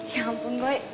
ya ampun boy